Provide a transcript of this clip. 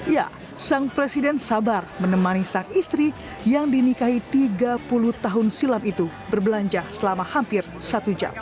ya sang presiden sabar menemani sang istri yang dinikahi tiga puluh tahun silam itu berbelanja selama hampir satu jam